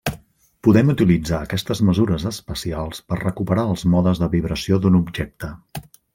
Podem utilitzar aquestes mesures espacials per recuperar els modes de vibració d'un objecte.